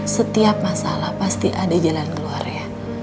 setiap masalah pasti ada jalan keluar ya